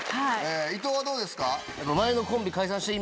伊藤はどうですか？